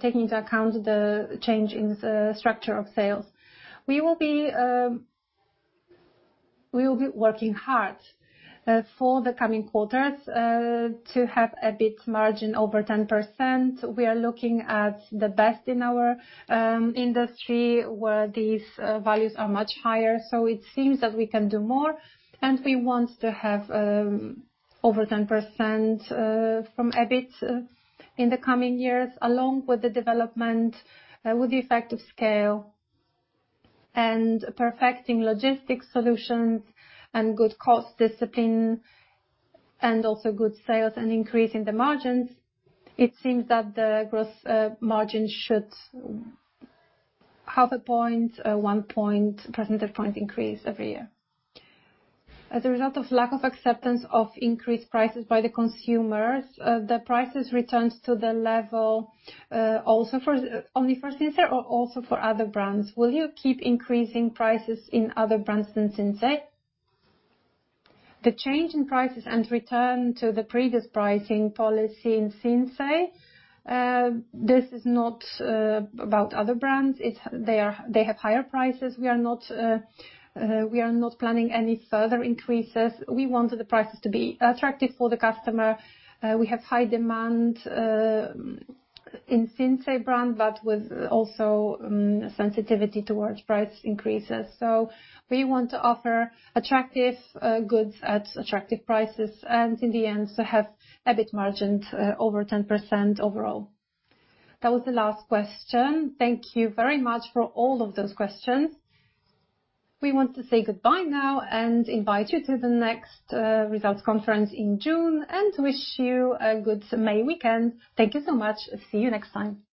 taking into account the change in the structure of sales? We will be working hard for the coming quarters to have EBIT margin over 10%. We are looking at the best in our industry where these values are much higher. It seems that we can do more, and we want to have over 10% from EBIT in the coming years, along with the development, with the effect of scale and perfecting logistics solutions and good cost discipline, and also good sales and increase in the margins. It seems that the gross margin should half a point, 1 point, percentage point increase every year. As a result of lack of acceptance of increased prices by the consumers, the prices returns to the level, also for, only for Sinsay or also for other brands? Will you keep increasing prices in other brands than Sinsay? The change in prices and return to the previous pricing policy in Sinsay, this is not about other brands. They have higher prices. We are not planning any further increases. We want the prices to be attractive for the customer. We have high demand in Sinsay brand, but with also sensitivity towards price increases. We want to offer attractive goods at attractive prices and in the end to have EBIT margins over 10% overall. That was the last question. Thank you very much for all of those questions. We want to say goodbye now and invite you to the next results conference in June and wish you a good May weekend. Thank you so much. See you next time. Thank you.